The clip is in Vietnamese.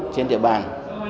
trên địa bàn